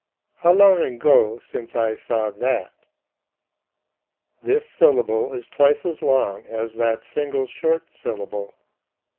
"How long ago since I saw that?" "This syllable is twice as long as that single short syllable."